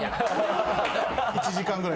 １時間ぐらい。